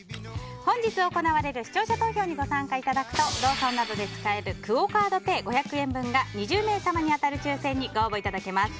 本日行われる視聴者投票にご参加いただくとローソンなどで使えるクオ・カードペイ５００円分が２０名様に当たる抽選にご応募いただけます。